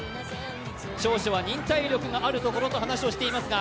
長所は忍耐力があるところと話していますが。